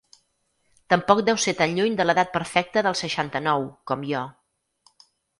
Tampoc deu ser tan lluny de l'edat perfecta dels seixanta-nou, com jo.